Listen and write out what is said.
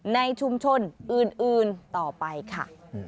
ในชุมชนอื่นต่อไปค่ะ